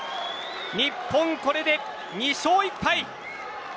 日本これで２勝１敗。